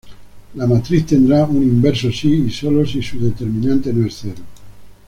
La matriz tendrá un inverso si y sólo si su determinante no es cero.